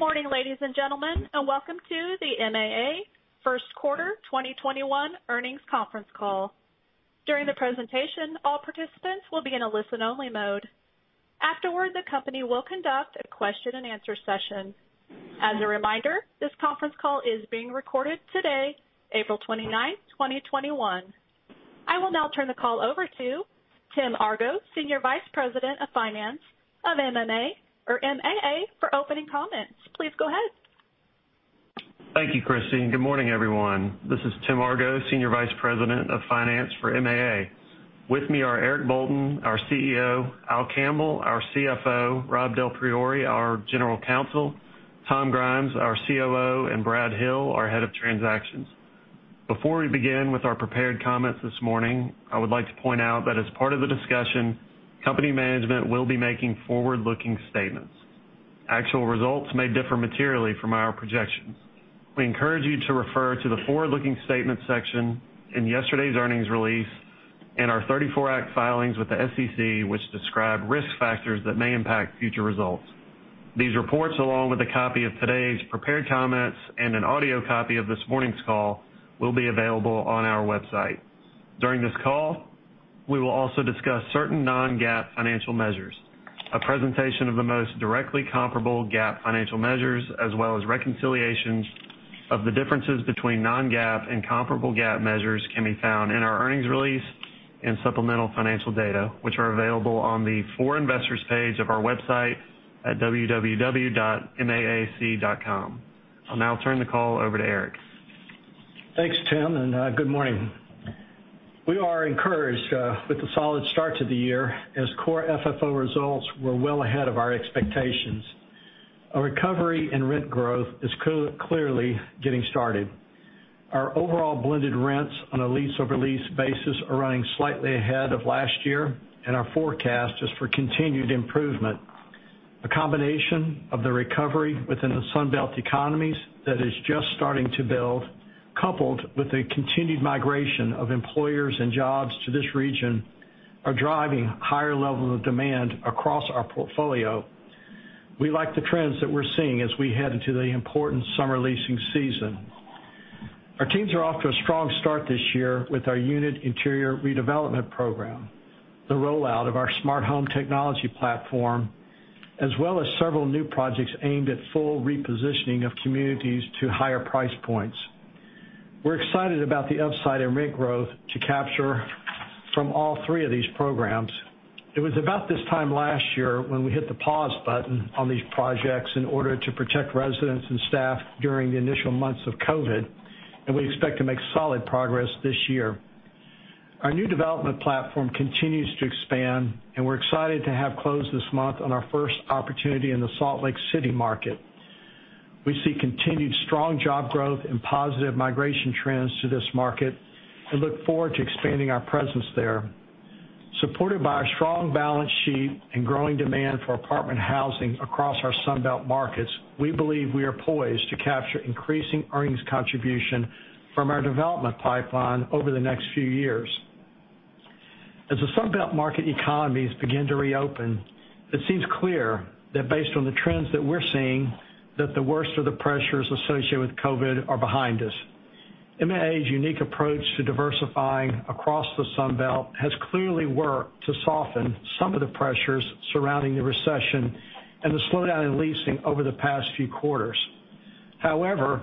Good morning, ladies and gentlemen, and welcome to the MAA first quarter 2021 earnings conference call. During the presentation, all participants will be in a listen-only mode. Afterwards, the company will conduct a question and answer session. As a reminder, this conference call is being recorded today, April 29th, 2021. I will now turn the call over to Tim Argo, Senior Vice President of Finance of MAA, for opening comments. Please go ahead. Thank you, Christine. Good morning, everyone. This is Tim Argo, Senior Vice President of Finance for MAA. With me are Eric Bolton, our CEO, Al Campbell, our CFO, Rob DelPriore, our General Counsel, Tom Grimes, our COO, and Brad Hill, our Head of Transactions. Before we begin with our prepared comments this morning, I would like to point out that as part of the discussion, company management will be making forward-looking statements. Actual results may differ materially from our projections. We encourage you to refer to the forward-looking statements section in yesterday's earnings release and our 34 Act filings with the SEC, which describe risk factors that may impact future results. These reports, along with a copy of today's prepared comments and an audio copy of this morning's call, will be available on our website. During this call, we will also discuss certain non-GAAP financial measures. A presentation of the most directly comparable GAAP financial measures, as well as reconciliations of the differences between non-GAAP and comparable GAAP measures, can be found in our earnings release and supplemental financial data, which are available on the For Investors page of our website at www.maac.com. I'll now turn the call over to Eric. Thanks, Tim, and good morning. We are encouraged with the solid start to the year, as Core FFO results were well ahead of our expectations. A recovery in rent growth is clearly getting started. Our overall blended rents on a lease-over-lease basis are running slightly ahead of last year, and our forecast is for continued improvement. A combination of the recovery within the Sun Belt economies that is just starting to build, coupled with the continued migration of employers and jobs to this region, are driving higher levels of demand across our portfolio. We like the trends that we're seeing as we head into the important summer leasing season. Our teams are off to a strong start this year with our unit interior redevelopment program, the rollout of our smart home technology platform, as well as several new projects aimed at full repositioning of communities to higher price points. We're excited about the upside in rent growth to capture from all three of these programs. It was about this time last year when we hit the pause button on these projects in order to protect residents and staff during the initial months of COVID, and we expect to make solid progress this year. Our new development platform continues to expand, and we're excited to have closed this month on our first opportunity in the Salt Lake City market. We see continued strong job growth and positive migration trends to this market and look forward to expanding our presence there. Supported by a strong balance sheet and growing demand for apartment housing across our Sun Belt markets, we believe we are poised to capture increasing earnings contribution from our development pipeline over the next few years. As the Sun Belt market economies begin to reopen, it seems clear that based on the trends that we're seeing, that the worst of the pressures associated with COVID are behind us. MAA's unique approach to diversifying across the Sun Belt has clearly worked to soften some of the pressures surrounding the recession and the slowdown in leasing over the past few quarters. However,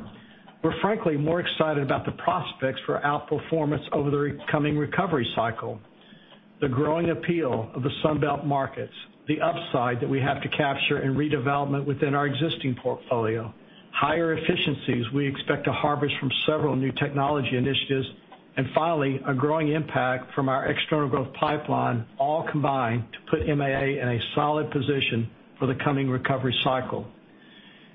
we're frankly more excited about the prospects for outperformance over the coming recovery cycle. The growing appeal of the Sun Belt markets, the upside that we have to capture in redevelopment within our existing portfolio, higher efficiencies we expect to harvest from several new technology initiatives, and finally, a growing impact from our external growth pipeline all combine to put MAA in a solid position for the coming recovery cycle.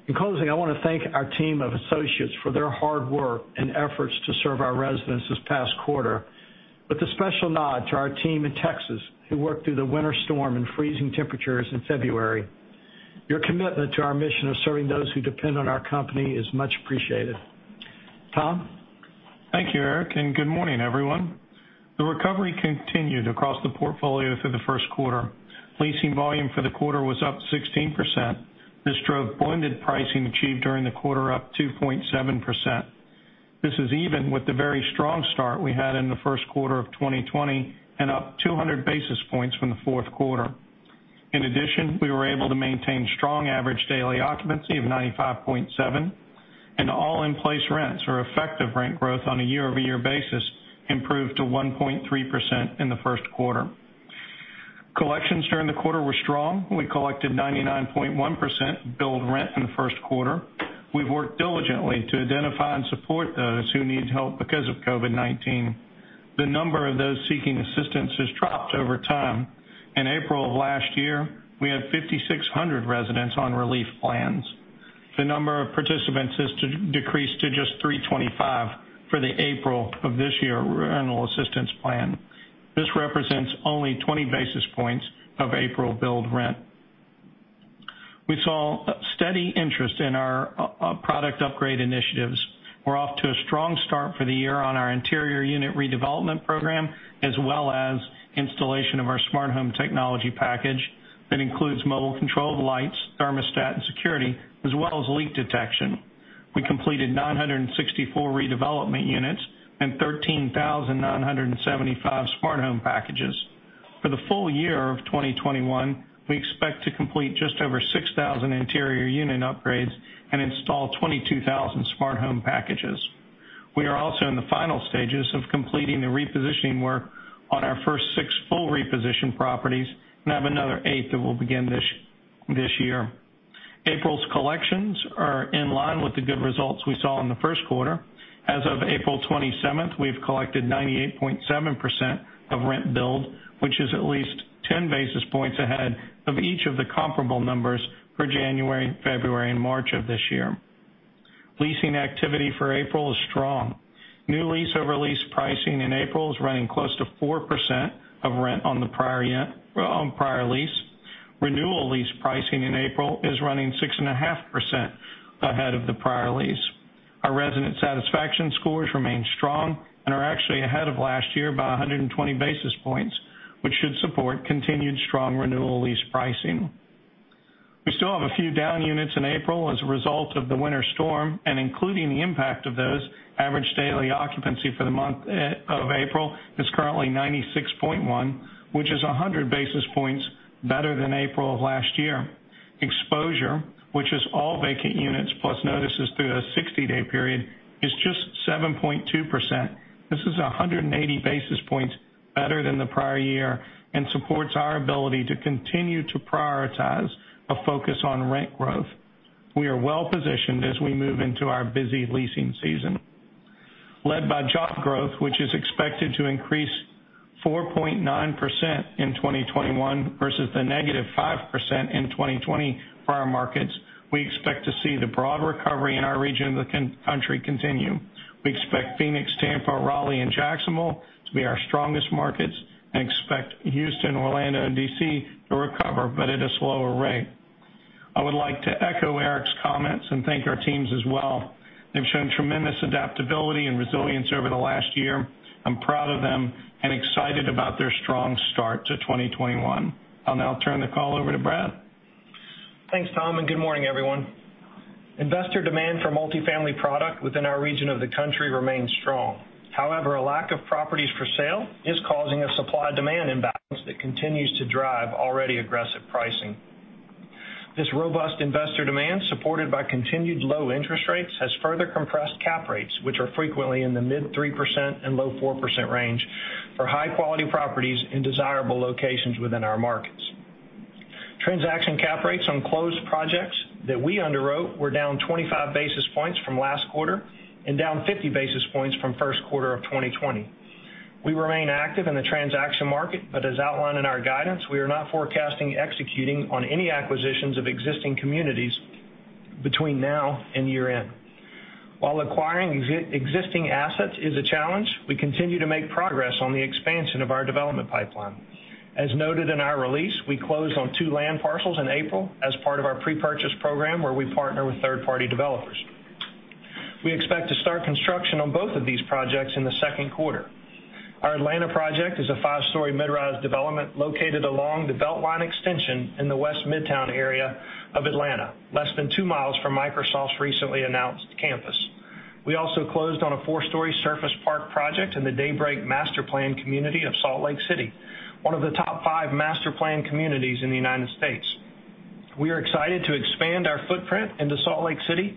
In closing, I want to thank our team of associates for their hard work and efforts to serve our residents this past quarter, with a special nod to our team in Texas, who worked through the winter storm and freezing temperatures in February. Your commitment to our mission of serving those who depend on our company is much appreciated. Tom? Thank you, Eric, and good morning, everyone. The recovery continued across the portfolio through the first quarter. Leasing volume for the quarter was up 16%. This drove blended pricing achieved during the quarter up 2.7%. This is even with the very strong start we had in the first quarter of 2020 and up 200 basis points from the fourth quarter. In addition, we were able to maintain strong average daily occupancy of 95.7% and all in-place rents or effective rent growth on a year-over-year basis improved to 1.3% in the first quarter. Collections during the quarter were strong. We collected 99.1% billed rent in the first quarter. We've worked diligently to identify and support those who need help because of COVID-19. The number of those seeking assistance has dropped over time. In April of last year, we had 5,600 residents on relief plans. The number of participants has decreased to just 325 for the April of this year rental assistance plan. This represents only 20 basis points of April billed rent. Steady interest in our product upgrade initiatives. We are off to a strong start for the year on our interior unit redevelopment program, as well as installation of our smart home technology package that includes mobile controlled lights, thermostat, and security, as well as leak detection. We completed 964 redevelopment units and 13,975 Smart Home Packages. For the full year of 2021, we expect to complete just over 6,000 interior unit upgrades and install 22,000 Smart Home Packages. We are also in the final stages of completing the repositioning work on our first six full reposition properties and have another eight that will begin this year. April's collections are in line with the good results we saw in the first quarter. As of April 27th, we've collected 98.7% of rent billed, which is at least 10 basis points ahead of each of the comparable numbers for January, February, and March of this year. Leasing activity for April is strong. New lease-over-lease pricing in April is running close to 4% of rent on prior lease. Renewal lease pricing in April is running 6.5% ahead of the prior lease. Our resident satisfaction scores remain strong and are actually ahead of last year by 120 basis points, which should support continued strong renewal lease pricing. We still have a few down units in April as a result of the Winter Storm Uri, and including the impact of those, average daily occupancy for the month of April is currently 96.1%, which is 100 basis points better than April of last year. Exposure, which is all vacant units plus notices through a 60-day period, is just 7.2%. This is 180 basis points better than the prior year and supports our ability to continue to prioritize a focus on rent growth. We are well positioned as we move into our busy leasing season. Led by job growth, which is expected to increase 4.9% in 2021 versus the -5% in 2020 for our markets, we expect to see the broad recovery in our region of the country continue. We expect Phoenix, Tampa, Raleigh, and Jacksonville to be our strongest markets, and expect Houston, Orlando, and D.C. to recover, but at a slower rate. I would like to echo Eric's comments and thank our teams as well. They've shown tremendous adaptability and resilience over the last year. I'm proud of them and excited about their strong start to 2021. I'll now turn the call over to Brad. Thanks, Tom, and good morning, everyone. Investor demand for multifamily product within our region of the country remains strong. However, a lack of properties for sale is causing a supply-demand imbalance that continues to drive already aggressive pricing. This robust investor demand, supported by continued low interest rates, has further compressed cap rates, which are frequently in the mid 3% and low 4% range for high-quality properties in desirable locations within our markets. Transaction cap rates on closed projects that we underwrote were down 25 basis points from last quarter and down 50 basis points from first quarter of 2020. We remain active in the transaction market, but as outlined in our guidance, we are not forecasting executing on any acquisitions of existing communities between now and year-end. While acquiring existing assets is a challenge, we continue to make progress on the expansion of our development pipeline. As noted in our release, we closed on two land parcels in April as part of our pre-purchase program where we partner with third-party developers. We expect to start construction on both of these projects in the second quarter. Our Atlanta project is a five-story mid-rise development located along the BeltLine Extension in the West Midtown area of Atlanta, less than two miles from Microsoft's recently announced campus. We also closed on a four-story surface park project in the Daybreak master-planned community of Salt Lake City, one of the top five master-planned community in the U.S. We are excited to expand our footprint into Salt Lake City,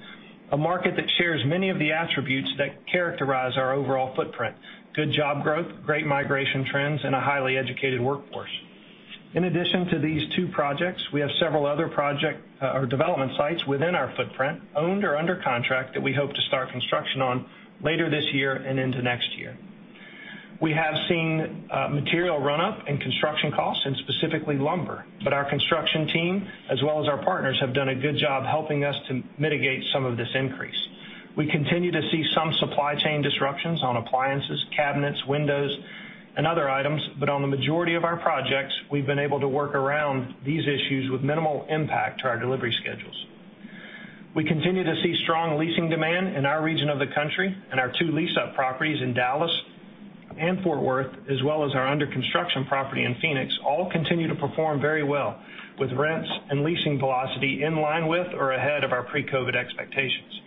a market that shares many of the attributes that characterize our overall footprint, good job growth, great migration trends, and a highly educated workforce. In addition to these two projects, we have several other project or development sites within our footprint owned or under contract that we hope to start construction on later this year and into next year. We have seen material run-up in construction costs in specifically lumber, but our construction team, as well as our partners, have done a good job helping us to mitigate some of this increase. We continue to see some supply chain disruptions on appliances, cabinets, windows, and other items, but on the majority of our projects, we've been able to work around these issues with minimal impact to our delivery schedules. We continue to see strong leasing demand in our region of the country, and our two lease-up properties in Dallas and Fort Worth, as well as our under-construction property in Phoenix, all continue to perform very well with rents and leasing velocity in line with or ahead of our pre-COVID expectations.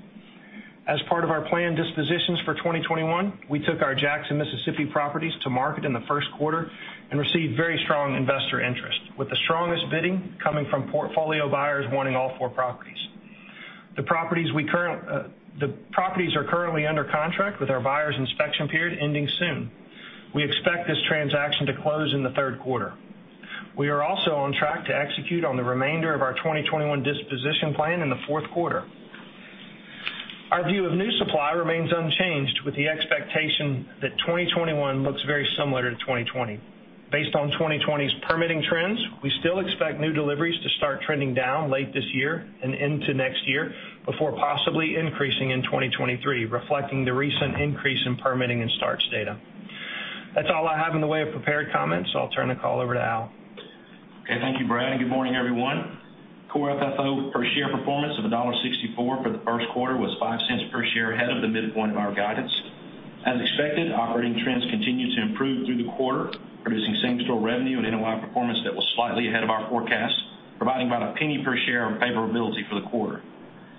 As part of our planned dispositions for 2021, we took our Jackson, Mississippi properties to market in the first quarter and received very strong investor interest, with the strongest bidding coming from portfolio buyers wanting all four properties. The properties are currently under contract with our buyer's inspection period ending soon. We expect this transaction to close in the third quarter. We are also on track to execute on the remainder of our 2021 disposition plan in the fourth quarter. Our view of new supply remains unchanged with the expectation that 2021 looks very similar to 2020. Based on 2020's permitting trends, we still expect new deliveries to start trending down late this year and into next year before possibly increasing in 2023, reflecting the recent increase in permitting and starts data. That's all I have in the way of prepared comments. I'll turn the call over to Al. Okay. Thank you, Brad, good morning, everyone. Core FFO per share performance of $1.64 for the first quarter was $0.05 per share ahead of the midpoint of our guidance. As expected, operating trends continued to improve through the quarter, producing same-store revenue and NOI performance that was slightly ahead of our forecast, providing about $0.01 per share of favorability for the quarter.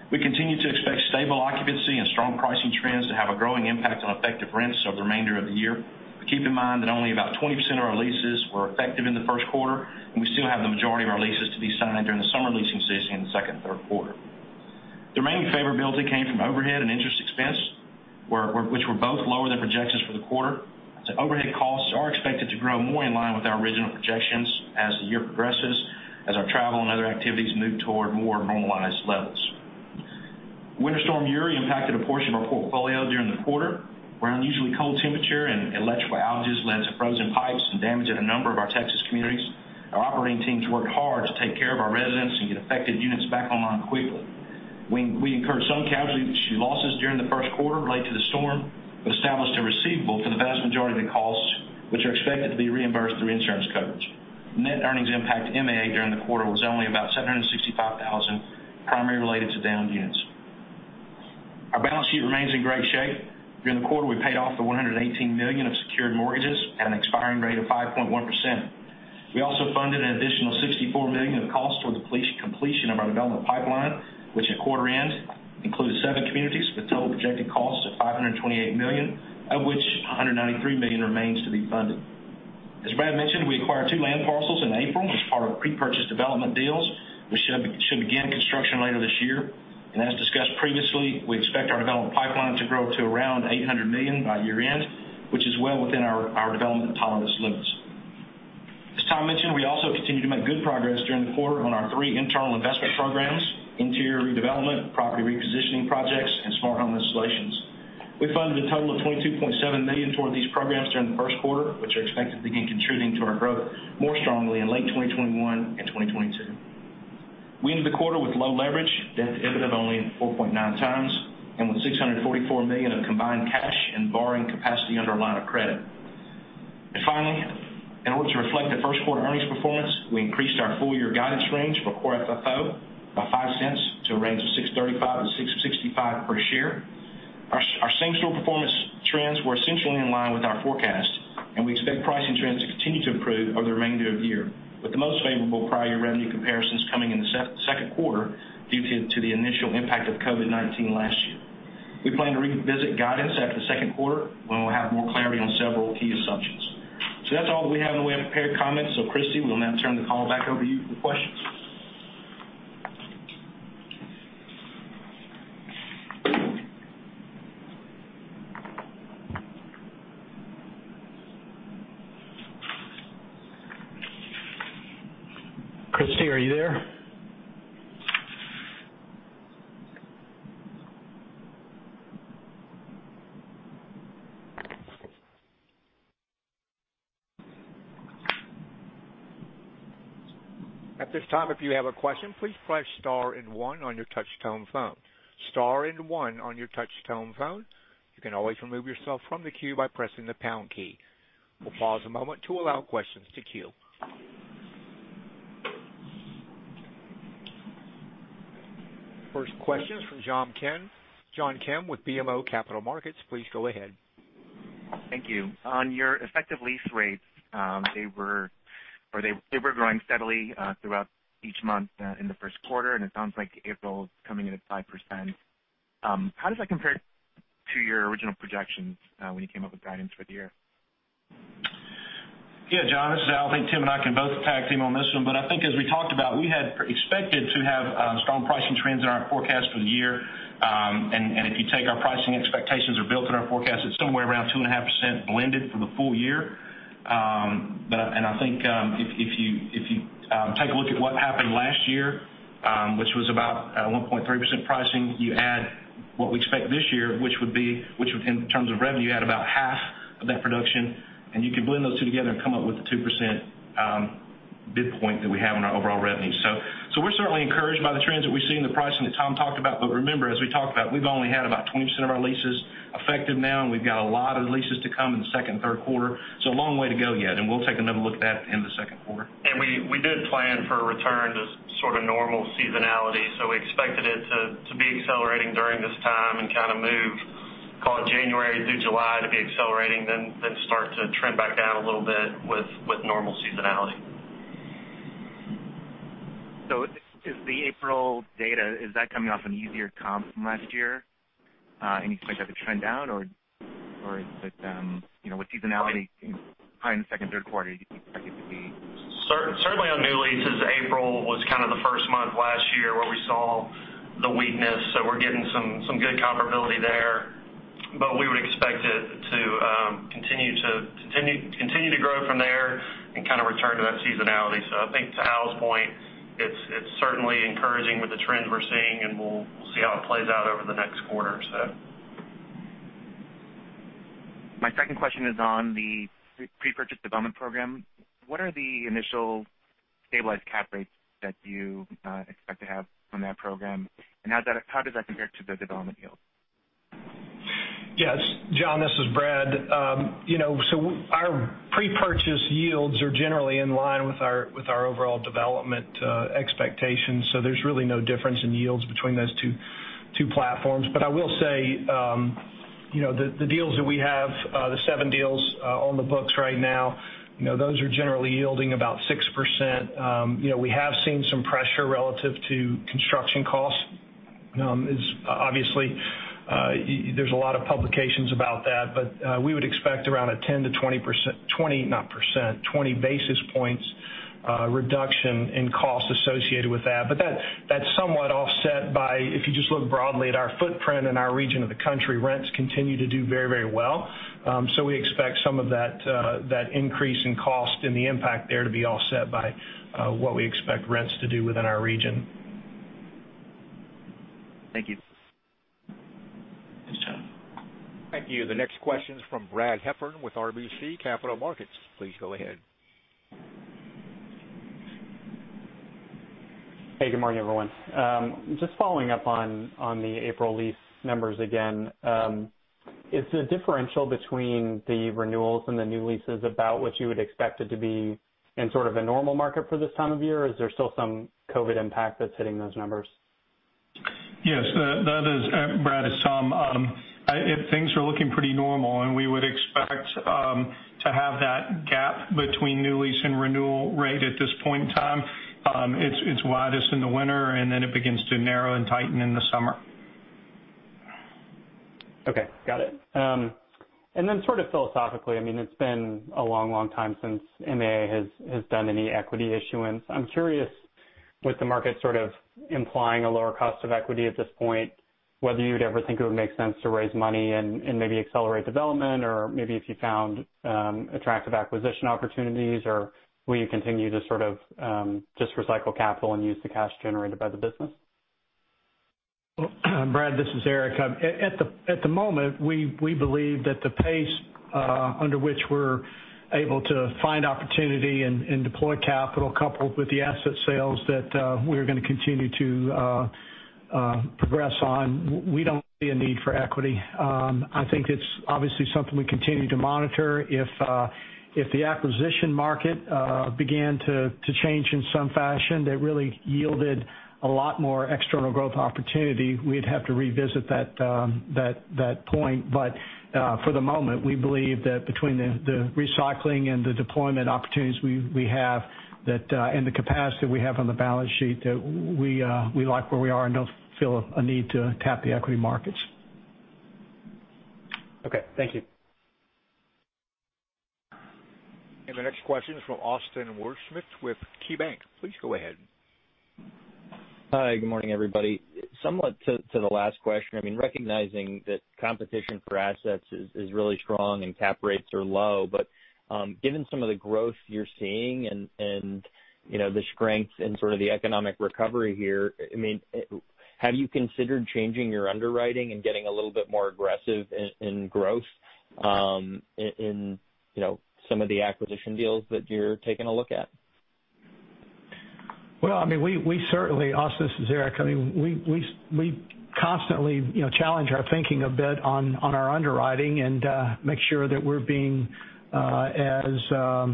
We continue to expect stable occupancy and strong pricing trends to have a growing impact on effective rents over the remainder of the year, keep in mind that only about 20% of our leases were effective in the first quarter, and we still have the majority of our leases to be signed during the summer leasing season in the second and third quarter. The remaining favorability came from overhead and interest expense, which were both lower than projections for the quarter. Overhead costs are expected to grow more in line with our original projections as the year progresses, as our travel and other activities move toward more normalized levels. Winter Storm Uri impacted a portion of our portfolio during the quarter, where unusually cold temperature and electrical outages led to frozen pipes and damage at a number of our Texas communities. Our operating teams worked hard to take care of our residents and get affected units back online quickly. We incurred some casualty losses during the first quarter related to the storm, but established a receivable for the vast majority of the costs, which are expected to be reimbursed through insurance coverage. Net earnings impact, MAA, during the quarter was only about $765,000, primarily related to downed units. Our balance sheet remains in great shape. During the quarter, we paid off the $118 million of secured mortgages at an expiring rate of 5.1%. We also funded an additional $64 million of costs toward the completion of our development pipeline, which at quarter end included seven communities with total projected costs of $528 million, of which $193 million remains to be funded. As Brad mentioned, we acquired two land parcels in April as part of pre-purchase development deals, which should begin construction later this year. As discussed previously, we expect our development pipeline to grow to around $800 million by year-end, which is well within our development tolerance limits. As Tom mentioned, we also continue to make good progress during the quarter on our three internal investment programs, interior redevelopment, property repositioning projects, and smart home installations. We funded a total of $22.7 million toward these programs during the first quarter, which are expected to begin contributing to our growth more strongly in late 2021 and 2022. We ended the quarter with low leverage, debt-to-EBITDA of only 4.9x, and with $644 million of combined cash and borrowing capacity under our line of credit. Finally, in order to reflect the first quarter earnings performance, we increased our full-year guidance range for Core FFO by $0.05 to a range of $6.35-$6.65 per share. Our same-store performance trends were essentially in line with our forecast, and we expect pricing trends to continue to improve over the remainder of the year, with the most favorable prior-year revenue comparisons coming in the second quarter due to the initial impact of COVID-19 last year. We plan to revisit guidance after the second quarter, when we'll have more clarity on several key assumptions. That's all that we have in the way of prepared comments. Christy, we'll now turn the call back over to you for questions. Christy, are you there? At this time, if you have a question, please press star and one on your touch-tone phone. Star and one on your touch-tone phone. You can always remove yourself from the queue by pressing the pound key. We'll pause a moment to allow questions to queue. First question is from John Kim. John Kim with BMO Capital Markets, please go ahead. Thank you. On your effective lease rates, they were growing steadily throughout each month in the first quarter, and it sounds like April is coming in at 5%. How does that compare to your original projections when you came up with guidance for the year? Yeah, John, this is Al. I think Tim and I can both tag-team on this one, but I think as we talked about, we had expected to have strong pricing trends in our forecast for the year. If you take our pricing expectations are built in our forecast, it's somewhere around 2.5% blended for the full year. I think if you take a look at what happened last year, which was about a 1.3% pricing, you add what we expect this year, which in terms of revenue, you add about half of that production, and you can blend those two together and come up with a 2% midpoint that we have on our overall revenue. We're certainly encouraged by the trends that we see in the pricing that Tom talked about. Remember, as we talked about, we've only had about 20% of our leases effective now, and we've got a lot of leases to come in the second and third quarter. A long way to go yet, and we'll take another look at that in the second quarter. We did plan for a return to sort of normal seasonality. We expected it to be accelerating during this time and kind of move, call it January through July, to be accelerating, then start to trend back down a little bit with normal seasonality. Is the April data, is that coming off an easier comp from last year? You expect that to trend down? Is it with seasonality in high in the second and third quarter, do you expect it to be- On new leases, April was kind of the first month last year where we saw the weakness, we're getting some good comparability there. We would expect it to continue to grow from there and kind of return to that seasonality. I think to Al's point, it's certainly encouraging with the trends we're seeing, and we'll see how it plays out over the next quarter or so. My second question is on the pre-purchase development program. What are the initial stabilized cap rates that you expect to have from that program? How does that compare to the development yield? Yes. John, this is Brad. Our pre-purchase yields are generally in line with our overall development expectations, so there's really no difference in yields between those two platforms. I will say, the deals that we have, the seven deals on the books right now, those are generally yielding about 6%. We have seen some pressure relative to construction costs. Obviously, there's a lot of publications about that, we would expect around a 10-20 basis points reduction in cost associated with that. That's somewhat offset by, if you just look broadly at our footprint and our region of the country, rents continue to do very well. We expect some of that increase in cost and the impact there to be offset by what we expect rents to do within our region. Thank you. Thanks, John. Thank you. The next question is from Brad Heffern with RBC Capital Markets. Please go ahead. Hey, good morning, everyone. Just following up on the April lease numbers again. Is the differential between the renewals and the new leases about what you would expect it to be in sort of a normal market for this time of year, or is there still some COVID impact that's hitting those numbers? Yes, Brad Heffern, things are looking pretty normal, and we would expect to have that gap between new lease and renewal rate at this point in time. It's widest in the winter, and then it begins to narrow and tighten in the summer. Okay, got it. Sort of philosophically, it's been a long time since MAA has done any equity issuance. I'm curious with the market sort of implying a lower cost of equity at this point, whether you'd ever think it would make sense to raise money and maybe accelerate development or maybe if you found attractive acquisition opportunities, or will you continue to sort of just recycle capital and use the cash generated by the business? Brad, this is Eric. At the moment, we believe that the pace under which we're able to find opportunity and deploy capital coupled with the asset sales that we're going to continue to progress on, we don't see a need for equity. I think it's obviously something we continue to monitor. If the acquisition market began to change in some fashion that really yielded a lot more external growth opportunity, we'd have to revisit that point. For the moment, we believe that between the recycling and the deployment opportunities we have and the capacity we have on the balance sheet, that we like where we are and don't feel a need to tap the equity markets. Okay. Thank you. The next question is from Austin Wurschmidt with KeyBanc Capital Markets. Please go ahead. Hi, good morning, everybody. Somewhat to the last question, recognizing that competition for assets is really strong and cap rates are low. Given some of the growth you're seeing and the strength in sort of the economic recovery here, have you considered changing your underwriting and getting a little bit more aggressive in growth in some of the acquisition deals that you're taking a look at? Austin Wurschmidt, this is Eric Bolton. We constantly challenge our thinking a bit on our underwriting and make sure that we're being as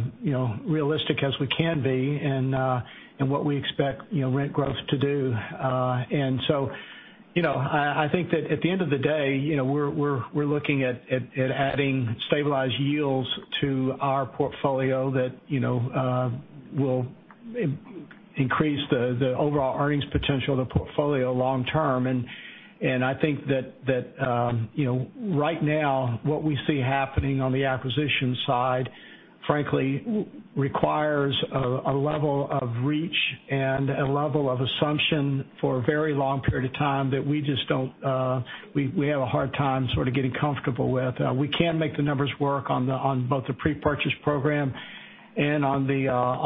realistic as we can be in what we expect rent growth to do. I think that at the end of the day, we're looking at adding stabilized yields to our portfolio that will increase the overall earnings potential of the portfolio long-term. I think that right now, what we see happening on the acquisition side, frankly, requires a level of reach and a level of assumption for a very long period of time that we have a hard time sort of getting comfortable with. We can make the numbers work on both the pre-purchase program and on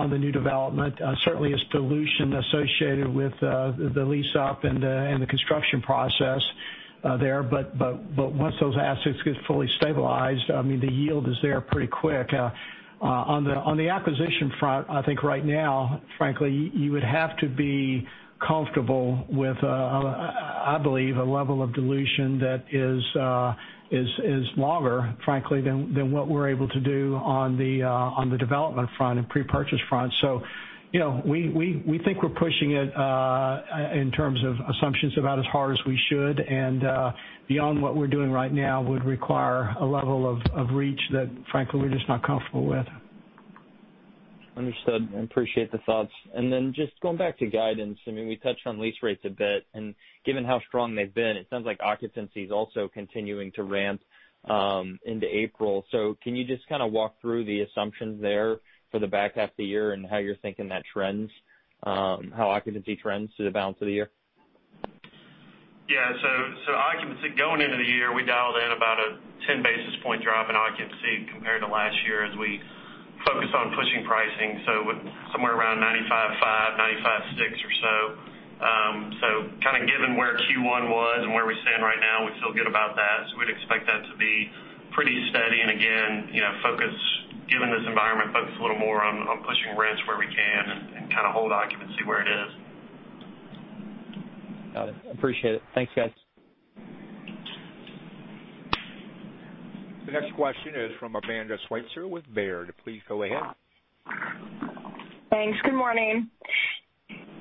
the new development. Certainly, it's dilution associated with the lease up and the construction process there. Once those assets get fully stabilized, the yield is there pretty quick. On the acquisition front, I think right now, frankly, you would have to be comfortable with, I believe, a level of dilution that is longer, frankly, than what we're able to do on the development front and pre-purchase front. We think we're pushing it in terms of assumptions about as hard as we should. Beyond what we're doing right now would require a level of reach that frankly, we're just not comfortable with. Understood. Appreciate the thoughts. Then just going back to guidance, we touched on lease rates a bit, and given how strong they've been, it sounds like occupancy's also continuing to ramp into April. Can you just kind of walk through the assumptions there for the back half of the year and how you're thinking that trends, how occupancy trends through the balance of the year? Occupancy going into the year, we dialed in about a 10-basis point drop in occupancy compared to last year as we focused on pushing pricing, so somewhere around 95.5%, 95.6% or so. Kind of given where Q1 was and where we stand right now, and given this environment, focus a little more on pushing rents where we can and kind of hold occupancy where it is. Got it. Appreciate it. Thanks, guys. The next question is from Amanda Sweitzer with Baird. Please go ahead. Thanks. Good morning.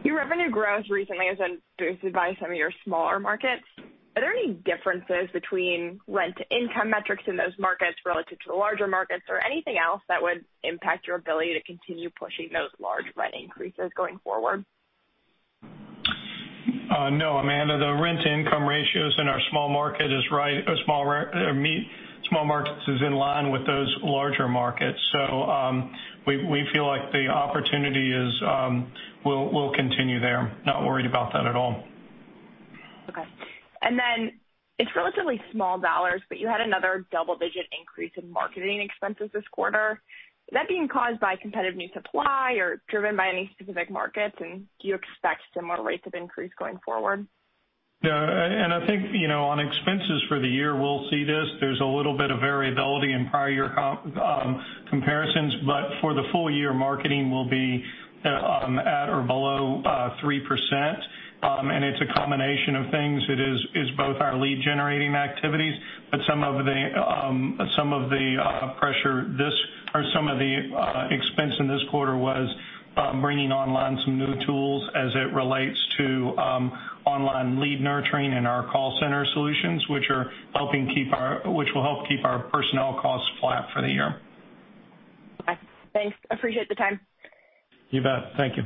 Your revenue growth recently has been boosted by some of your smaller markets. Are there any differences between rent-to-income metrics in those markets relative to the larger markets, or anything else that would impact your ability to continue pushing those large rent increases going forward? No, Amanda, the rent-to-income ratios in our small markets is in line with those larger markets. We feel like the opportunity will continue there. Not worried about that at all. Okay. It's relatively small dollars, you had another double-digit increase in marketing expenses this quarter. Is that being caused by competitive new supply or driven by any specific markets? Do you expect similar rates of increase going forward? I think on expenses for the year, we'll see this. There's a little bit of variability in prior year comparisons, but for the full year, marketing will be at or below 3%. It's a combination of things. It is both our lead-generating activities, but some of the expense in this quarter was bringing online some new tools as it relates to online lead nurturing and our call center solutions, which will help keep our personnel costs flat for the year. Okay. Thanks. Appreciate the time. You bet. Thank you.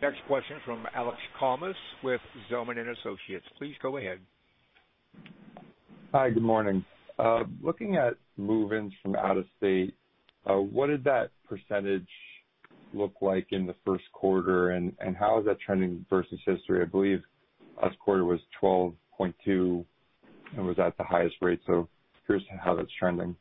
Next question from Alex Kalmus with Zelman & Associates. Please go ahead. Hi. Good morning. Looking at move-ins from out of state, what did that percentage look like in the first quarter, and how is that trending versus history? I believe last quarter was 12.2%, and was at the highest rate. Curious how that's trending.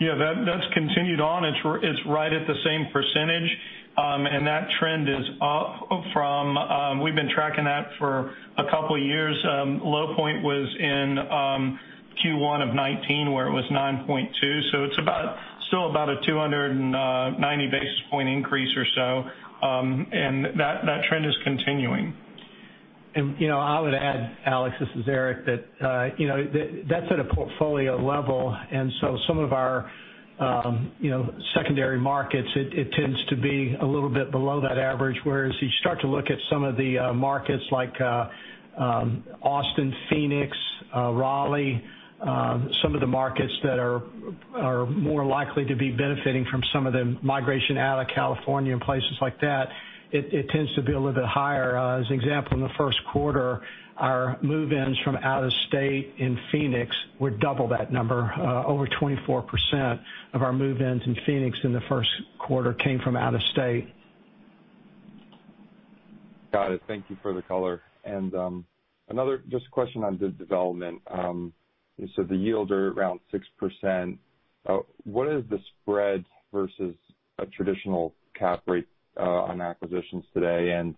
Yeah, that's continued on. It's right at the same percentage. That trend is up from We've been tracking that for a couple of years. Low point was in Q1 of 2019, where it was 9.2%, so it's still about a 290 basis point increase or so. That trend is continuing. I would add, Alex, this is Eric, that's at a portfolio level, and so some of our secondary markets, it tends to be a little bit below that average, whereas you start to look at some of the markets like Austin, Phoenix, Raleigh, some of the markets that are more likely to be benefiting from some of the migration out of California and places like that, it tends to be a little bit higher. As an example, in the first quarter, our move-ins from out of state in Phoenix were double that number. Over 24% of our move-ins in Phoenix in the first quarter came from out of state. Got it. Thank you for the color. Just a question on the development. You said the yields are around 6%. What is the spread versus a traditional cap rate on acquisitions today, and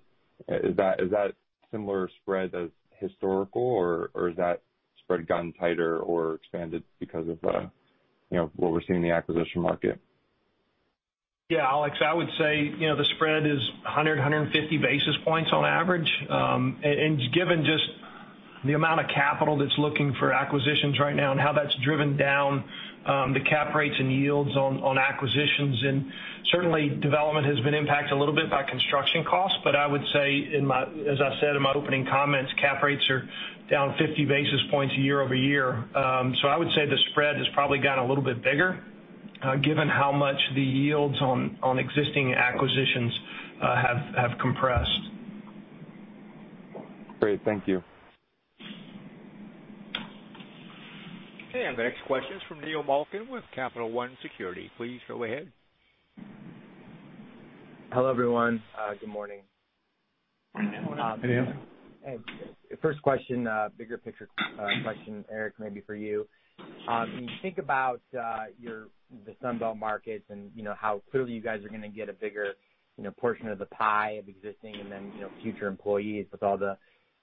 is that similar spread as historical, or has that spread gotten tighter or expanded because of what we're seeing in the acquisition market? Yeah. Alex, I would say the spread is 100-150 basis points on average. Given just the amount of capital that's looking for acquisitions right now and how that's driven down the cap rates and yields on acquisitions. Certainly, development has been impacted a little bit by construction costs, but I would say, as I said in my opening comments, cap rates are down 50 basis points year-over-year. I would say the spread has probably gotten a little bit bigger given how much the yields on existing acquisitions have compressed. Great. Thank you. Okay, the next question is from Neil Malkin with Capital One Securities. Please go ahead. Hello, everyone. Good morning. Good morning. Hey, Neil. First question, bigger picture question, Eric, maybe for you. When you think about the Sun Belt markets and how clearly you guys are going to get a bigger portion of the pie of existing and then future employees with all the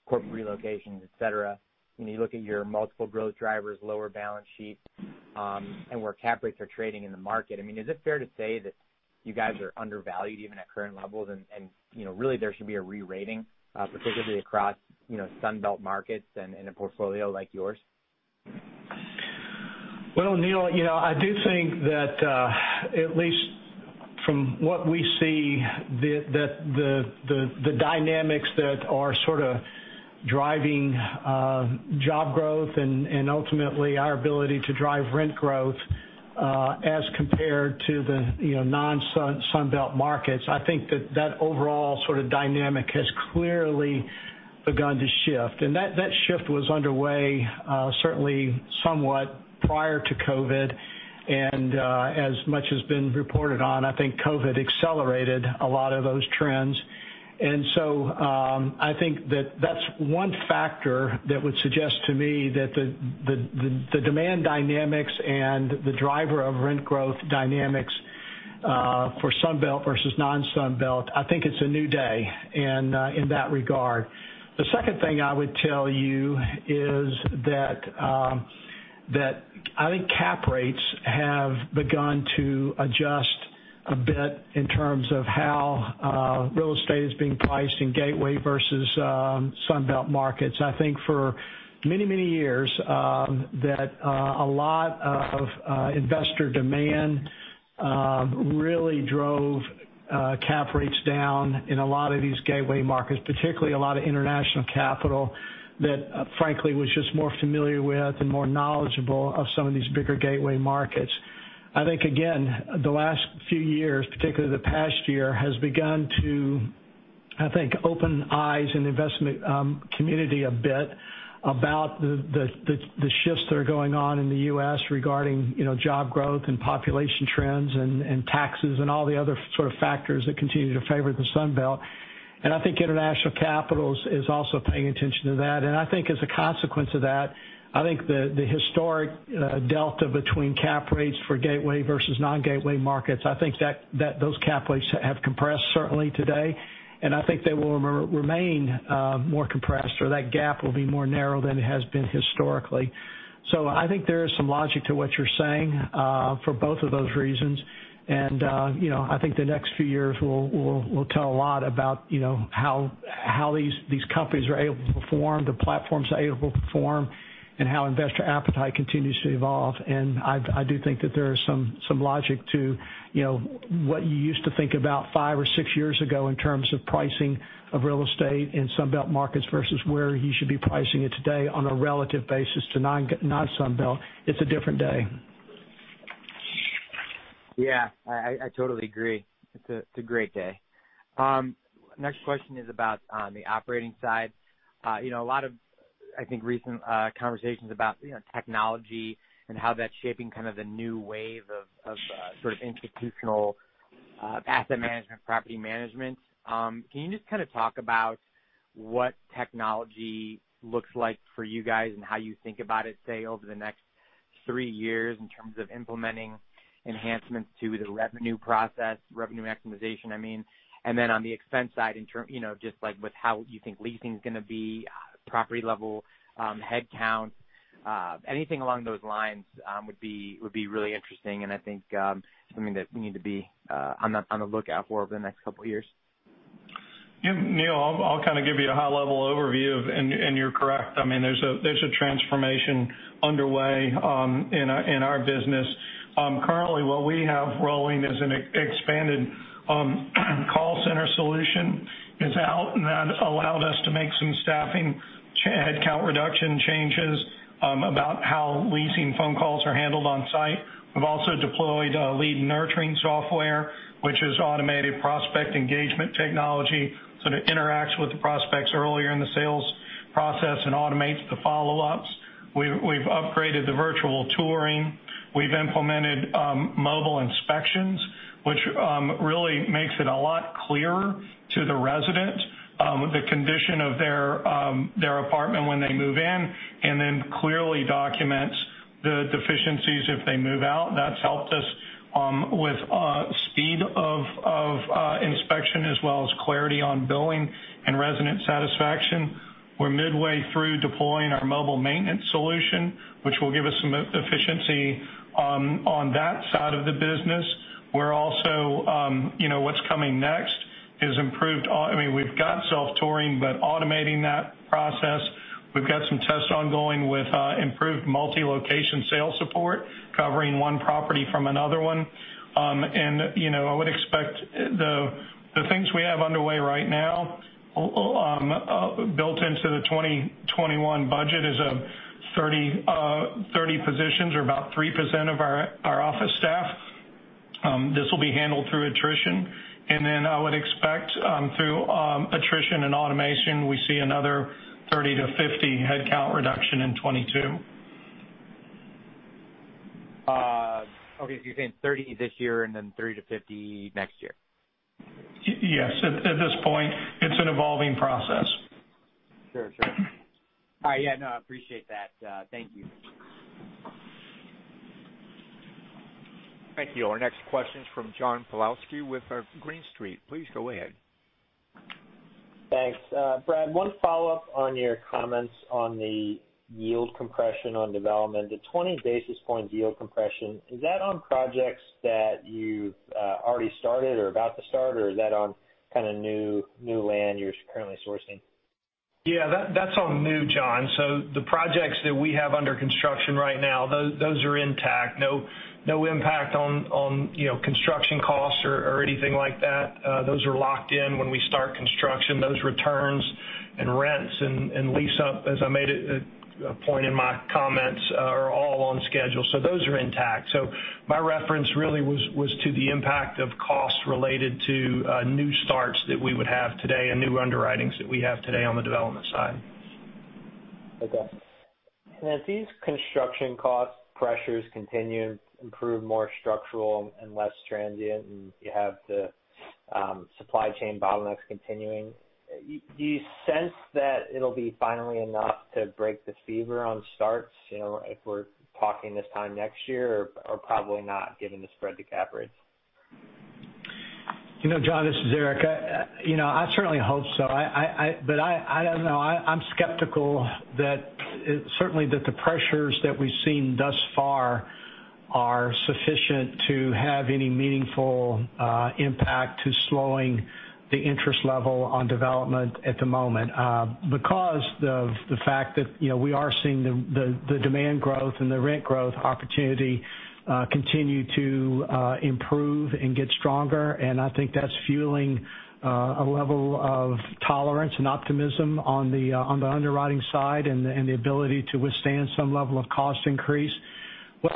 corporate relocations, et cetera. When you look at your multiple growth drivers, lower balance sheets, and where cap rates are trading in the market. Is it fair to say that you guys are undervalued even at current levels, and really there should be a re-rating, particularly across Sun Belt markets and in a portfolio like yours? Well, Neil, I do think that at least from what we see, the dynamics that are sort of driving job growth and ultimately our ability to drive rent growth as compared to the non-Sun Belt markets, I think that that overall sort of dynamic has clearly begun to shift. That shift was underway certainly somewhat prior to COVID, as much has been reported on, I think COVID accelerated a lot of those trends. I think that that's one factor that would suggest to me that the demand dynamics and the driver of rent growth dynamics for Sun Belt versus non-Sun Belt. I think it's a new day in that regard. The second thing I would tell you is that I think cap rates have begun to adjust a bit in terms of how real estate is being priced in gateway versus Sun Belt markets. I think for many, many years, that a lot of investor demand really drove cap rates down in a lot of these gateway markets, particularly a lot of international capital that, frankly, was just more familiar with and more knowledgeable of some of these bigger gateway markets. I think, again, the last few years, particularly the past year, has begun to, I think, open eyes in the investment community a bit about the shifts that are going on in the U.S. regarding job growth and population trends and taxes and all the other sort of factors that continue to favor the Sun Belt. I think international capitals is also paying attention to that. I think as a consequence of that, I think the historic delta between cap rates for gateway versus non-gateway markets, I think those cap rates have compressed certainly today, and I think they will remain more compressed, or that gap will be more narrow than it has been historically. I think there is some logic to what you're saying for both of those reasons. I think the next few years will tell a lot about how these companies are able to perform, the platforms are able to perform, and how investor appetite continues to evolve. I do think that there is some logic to what you used to think about five or six years ago in terms of pricing of real estate in Sun Belt markets versus where you should be pricing it today on a relative basis to non-Sun Belt. It's a different day. Yeah, I totally agree. It's a great day. Next question is about the operating side. A lot of, I think, recent conversations about technology and how that's shaping kind of the new wave of sort of institutional asset management, property management. Can you just kind of talk about what technology looks like for you guys and how you think about it, say, over the next three years in terms of implementing enhancements to the revenue process, revenue maximization, I mean. Then on the expense side, just like with how you think leasing's going to be, property level, headcounts. Anything along those lines would be really interesting and I think something that we need to be on the lookout for over the next couple of years. Yeah. Neil, I'll kind of give you a high-level overview, and you're correct. There's a transformation underway in our business. Currently, what we have rolling is an expanded call center solution is out, and that allowed us to make some staffing headcount reduction changes about how leasing phone calls are handled on site. We've also deployed a lead nurturing software, which is automated prospect engagement technology, so it interacts with the prospects earlier in the sales process and automates the follow-ups. We've upgraded the virtual touring. We've implemented mobile inspections, which really makes it a lot clearer to the resident the condition of their apartment when they move in, and then clearly documents the deficiencies if they move out. That's helped us with speed of inspection as well as clarity on billing and resident satisfaction. We're midway through deploying our mobile maintenance solution, which will give us some efficiency on that side of the business. What's coming next is improved self-touring, but automating that process. We've got some tests ongoing with improved multi-location sales support, covering one property from another one. I would expect the things we have underway right now built into the 2021 budget is 30 positions or about 3% of our office staff. This will be handled through attrition. I would expect through attrition and automation, we see another 30-50 headcount reduction in 2022. Okay. you're saying 30 this year and then 30 to 50 next year? Yes. At this point, it's an evolving process. Sure. No, I appreciate that. Thank you. Thank you. Our next question's from John Pawlowski with Green Street. Please go ahead. Thanks. Brad, one follow-up on your comments on the yield compression on development. The 20 basis points yield compression, is that on projects that you've already started or about to start, or is that on kind of new land you're currently sourcing? That's on new, John. The projects that we have under construction right now, those are intact. No impact on construction costs or anything like that. Those are locked in when we start construction. Those returns and rents and lease-up, as I made a point in my comments, are all on schedule, so those are intact. My reference really was to the impact of costs related to new starts that we would have today and new underwritings that we have today on the development side. Okay. As these construction cost pressures continue to improve more structural and less transient, and you have the supply chain bottlenecks continuing, do you sense that it will be finally enough to break the fever on starts, if we are talking this time next year or probably not given the spread to cap rates? John, this is Eric. I certainly hope so. I don't know. I'm skeptical that certainly that the pressures that we've seen thus far are sufficient to have any meaningful impact to slowing the interest level on development at the moment. Because of the fact that we are seeing the demand growth and the rent growth opportunity continue to improve and get stronger. I think that's fueling a level of tolerance and optimism on the underwriting side and the ability to withstand some level of cost increase. The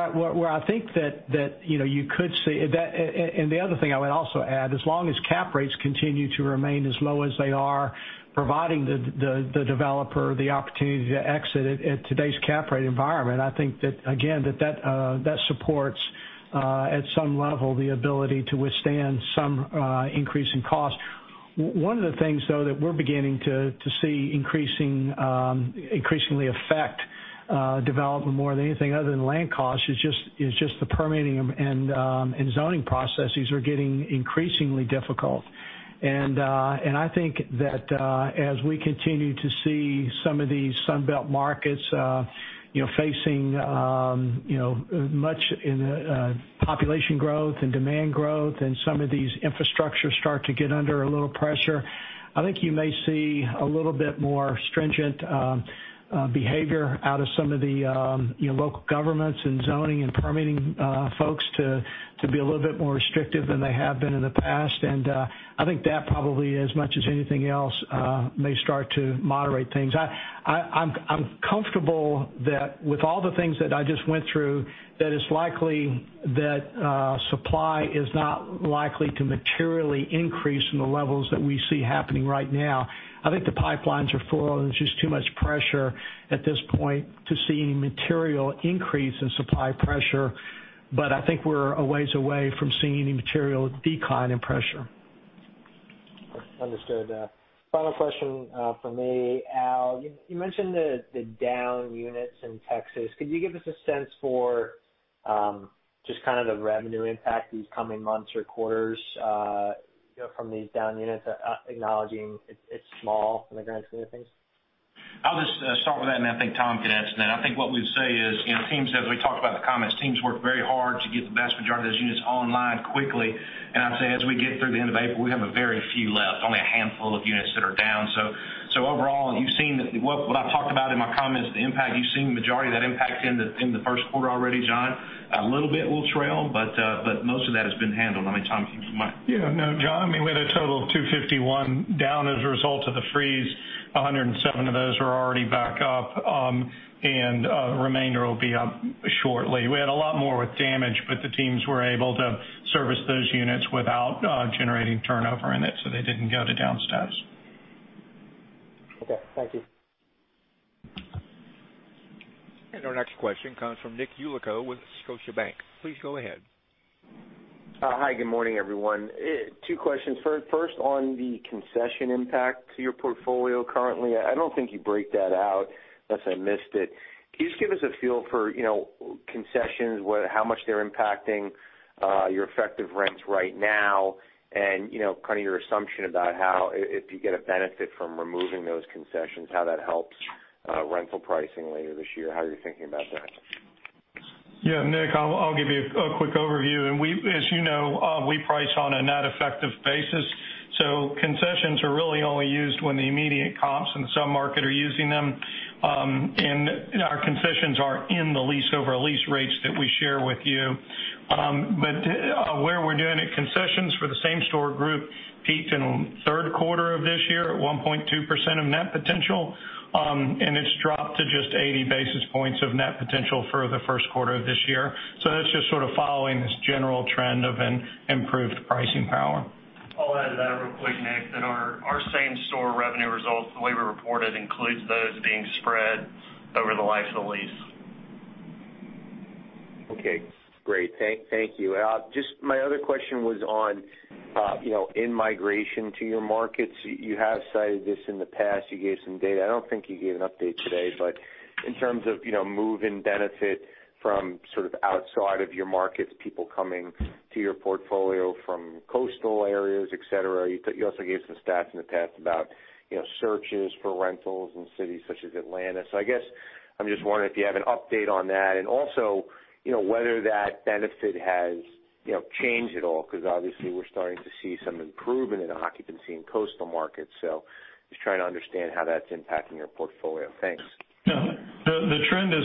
other thing I would also add, as long as cap rates continue to remain as low as they are, providing the developer the opportunity to exit at today's cap rate environment, I think that, again, that supports at some level the ability to withstand some increasing costs. One of the things, though, that we're beginning to see increasingly affect development more than anything other than land costs is just the permitting and zoning processes are getting increasingly difficult. I think that as we continue to see some of these Sun Belt markets facing much in population growth and demand growth, and some of these infrastructures start to get under a little pressure. I think you may see a little bit more stringent behavior out of some of the local governments in zoning and permitting folks to be a little bit more restrictive than they have been in the past. I think that probably as much as anything else, may start to moderate things. I'm comfortable that with all the things that I just went through, that it's likely that supply is not likely to materially increase from the levels that we see happening right now. I think the pipelines are full, and there's just too much pressure at this point to see any material increase in supply pressure. I think we're a ways away from seeing any material decline in pressure. Understood. Final question from me. Al, you mentioned the down units in Texas. Could you give us a sense for just kind of the revenue impact these coming months or quarters from these down units, acknowledging it's small in the grand scheme of things? I'll just start with that, and I think Tom can answer that. I think what we'd say is, as we talked about in the comments, teams worked very hard to get the vast majority of those units online quickly. I'd say as we get through the end of April, we have a very few left, only a handful of units that are down. Overall, what I've talked about in my comments, the impact, you've seen the majority of that impact in the first quarter already, John. A little bit will trail, but most of that has been handled. Tom, do you mind? No, John. We had a total of 251 down as a result of the freeze. 107 of those are already back up. The remainder will be up shortly. We had a lot more with damage, but the teams were able to service those units without generating turnover in it, so they didn't go to down stats. Okay. Thank you. Our next question comes from Nick Yulico with Scotiabank. Please go ahead. Hi, good morning, everyone. Two questions. First on the concession impact to your portfolio currently. I don't think you break that out, unless I missed it. Can you just give us a feel for concessions, how much they're impacting your effective rents right now, and kind of your assumption about how if you get a benefit from removing those concessions, how that helps rental pricing later this year? How are you thinking about that? Yeah, Nick, I'll give you a quick overview. As you know, we price on a net effective basis. Concessions are really only used when the immediate comps in some market are using them. Our concessions are in the lease-over-lease rates that we share with you. Where we're doing it, concessions for the same store group peaked in third quarter of this year at 1.2% of net potential. It's dropped to just 80 basis points of net potential for the first quarter of this year. That's just sort of following this general trend of an improved pricing power. I'll add to that real quick, Nick, that our same store revenue results, the way we report it, includes those being spread over the life of the lease. Okay, great. Thank you. My other question was on in-migration to your markets. You have cited this in the past. You gave some data. I don't think you gave an update today, but in terms of move-in benefit from sort of outside of your markets, people coming to your portfolio from coastal areas, et cetera. You also gave some stats in the past about searches for rentals in cities such as Atlanta. I guess I'm just wondering if you have an update on that. Also, whether that benefit has changed at all. Because obviously we're starting to see some improvement in occupancy in coastal markets. Just trying to understand how that's impacting your portfolio. Thanks. The trend has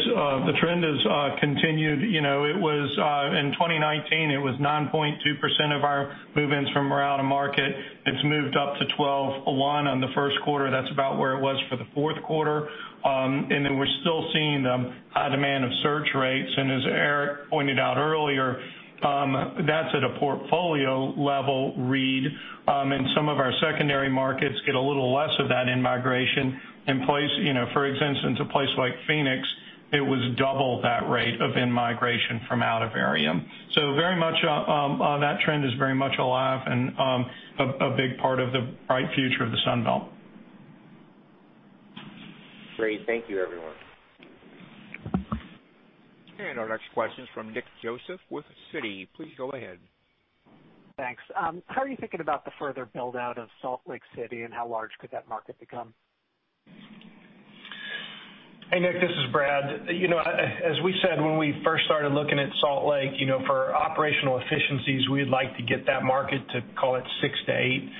continued. In 2019, it was 9.2% of our move-ins from around the market. It's moved up to 12.1% on the first quarter. That's about where it was for the fourth quarter. We're still seeing the high demand of search rates. As Eric pointed out earlier, that's at a portfolio level read. Some of our secondary markets get a little less of that in-migration. For instance, in a place like Phoenix. It was double that rate of in-migration from out of area. That trend is very much alive and a big part of the bright future of the Sun Belt. Great. Thank you, everyone. Our next question's from Nick Joseph with Citi. Please go ahead. Thanks. How are you thinking about the further build-out of Salt Lake City, and how large could that market become? Hey, Nick, this is Brad. As we said, when we first started looking at Salt Lake, for operational efficiencies, we'd like to get that market to, call it, six to eight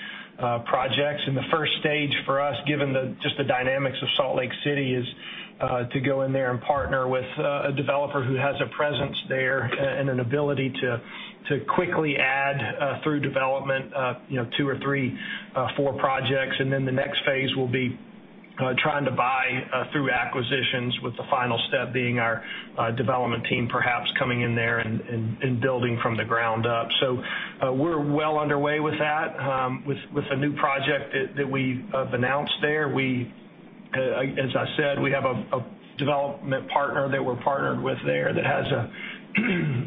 projects. The first stage for us, given just the dynamics of Salt Lake City, is to go in there and partner with a developer who has a presence there and an ability to quickly add through development two or three, four projects. The next phase will be trying to buy through acquisitions, with the final step being our development team perhaps coming in there and building from the ground up. We're well underway with that. With a new project that we have announced there. As I said, we have a development partner that we're partnered with there that has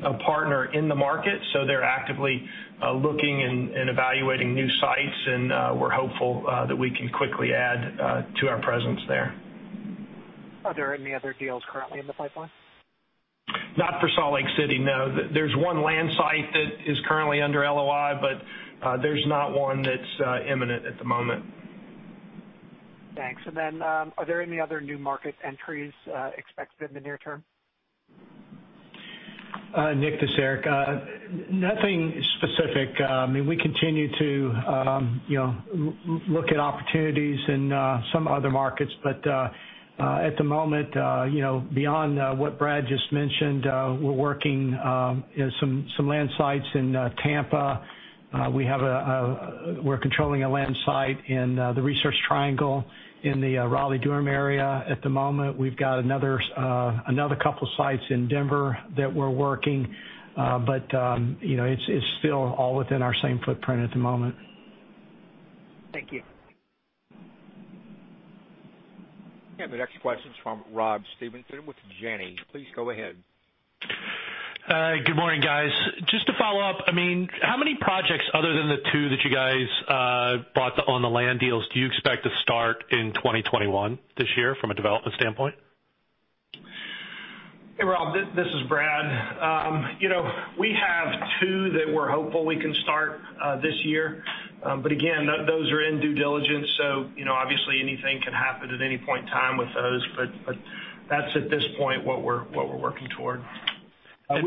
a partner in the market. They're actively looking and evaluating new sites, and we're hopeful that we can quickly add to our presence there. Are there any other deals currently in the pipeline? Not for Salt Lake City, no. There's one land site that is currently under LOI, but there's not one that's imminent at the moment. Thanks. Are there any other new market entries expected in the near term? Nick, this is Eric. Nothing specific. We continue to look at opportunities in some other markets, but at the moment, beyond what Brad just mentioned, we're working some land sites in Tampa. We're controlling a land site in the Research Triangle in the Raleigh-Durham area at the moment. We've got another couple sites in Denver that we're working. It's still all within our same footprint at the moment. Thank you. The next question's from Rob Stevenson with Janney. Please go ahead. Good morning, guys. Just to follow up, how many projects other than the two that you guys brought on the land deals do you expect to start in 2021, this year, from a development standpoint? Hey, Rob, this is Brad. We have two that we're hopeful we can start this year. Again, those are in due diligence, obviously anything can happen at any point in time with those. That's at this point what we're working toward. As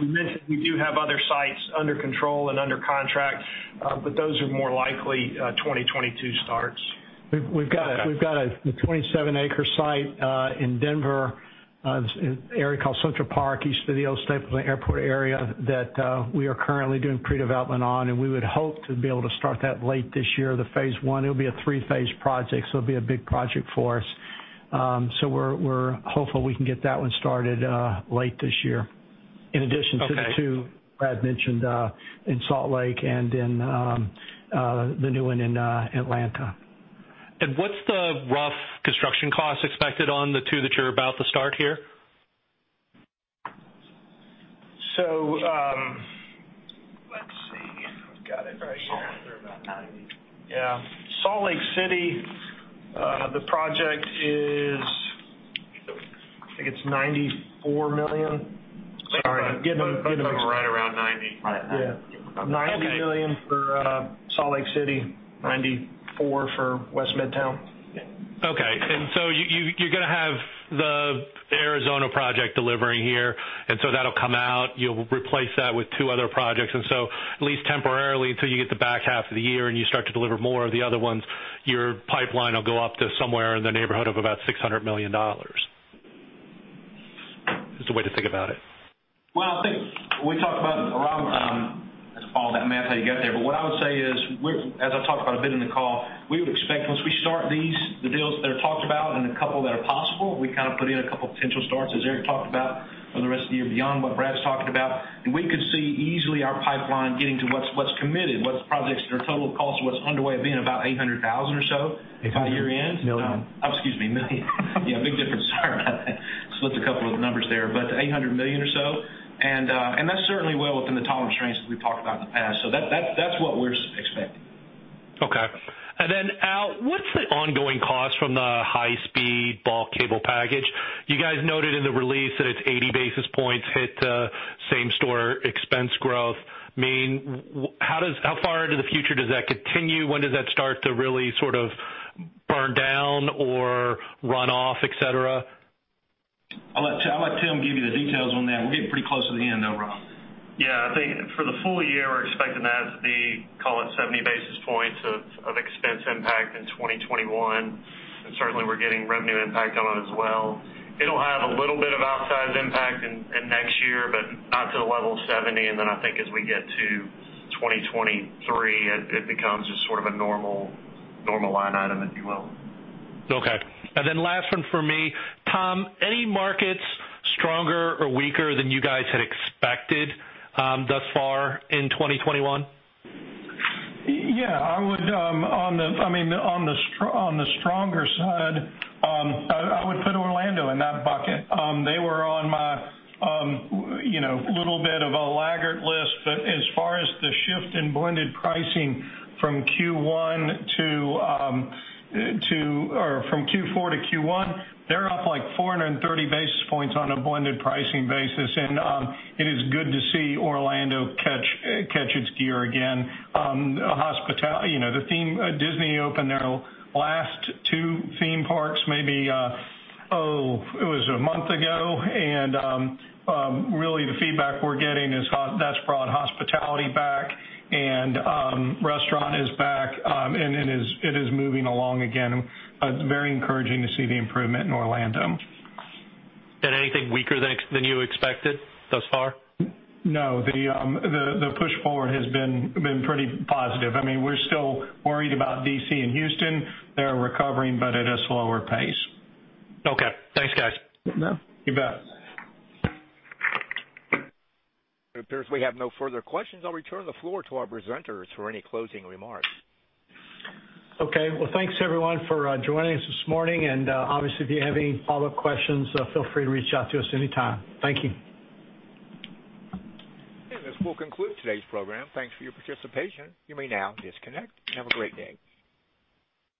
we mentioned, we do have other sites under control and under contract. Those are more likely 2022 starts. We've got a 27-acre site in Denver, an area called Central Park, east of the old Stapleton Airport area, that we are currently doing pre-development on, and we would hope to be able to start that late this year, the phase one. It'll be a three-phase project, so it'll be a big project for us. We're hopeful we can get that one started late this year. In addition to the two Brad mentioned in Salt Lake and in the new one in Atlanta. What's the rough construction cost expected on the two that you're about to start here? let's see. I've got it right here. Yeah. Salt Lake City, the project is, I think it's $94 million. Both of them are right around $90 million. Yeah. $90 million for Salt Lake City, $94 million for West Midtown. Okay. You're going to have the Arizona project delivering here, and so that'll come out. You'll replace that with two other projects. At least temporarily, until you get to the back half of the year and you start to deliver more of the other ones, your pipeline will go up to somewhere in the neighborhood of about $600 million. Is the way to think about it. Well, I think we talked about, Rob, as a follow to that math, how you got there. What I would say is, as I talked about a bit in the call, we would expect once we start these, the deals that are talked about and the couple that are possible, we kind of put in a couple potential starts, as Eric talked about, for the rest of the year beyond what Brad's talking about. We could see easily our pipeline getting to what's committed, what's projects that are total cost, what's underway of being about $800,000 or so by the year end. Million. Excuse me, million. Yeah, big difference. Sorry about that. Switched a couple of numbers there, $800 million or so. That's certainly well within the tolerance range that we've talked about in the past. That's what we're expecting. Okay. Then Al, what's the ongoing cost from the high-speed bulk cable package? You guys noted in the release that it's 80 basis points hit to same-store expense growth. How far into the future does that continue? When does that start to really sort of burn down or run off, et cetera? I'll let Tim give you the details on that. We're getting pretty close to the end, though, Rob. Yeah, I think for the full year, we're expecting that to be, call it, 70 basis points of expense impact in 2021. Certainly, we're getting revenue impact on it as well. It'll have a little bit of outsized impact in next year, not to the level of 70. I think as we get to 2023, it becomes just sort of a normal line item, if you will. Okay. Last one from me. Tom, any markets stronger or weaker than you guys had expected thus far in 2021? Yeah. On the stronger side, I would put Orlando in that bucket. They were on my little bit of a laggard list, but as far as the shift in blended pricing from Q4 to Q1, they're up like 430 basis points on a blended pricing basis. It is good to see Orlando catch its gear again. Disney opened their last two theme parks, maybe, it was a month ago. Really the feedback we're getting is that's brought hospitality back and restaurant is back. It is moving along again. Very encouraging to see the improvement in Orlando. Anything weaker than you expected thus far? No, the push forward has been pretty positive. We're still worried about D.C. and Houston. They're recovering, but at a slower pace. Okay. Thanks, guys. You bet. It appears we have no further questions. I'll return the floor to our presenters for any closing remarks. Okay. Well, thanks everyone for joining us this morning, and obviously, if you have any follow-up questions, feel free to reach out to us anytime. Thank you. This will conclude today's program. Thanks for your participation. You may now disconnect. Have a great day.